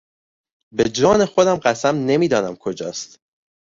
بهجان خودم قسم نمیدانم کجاست.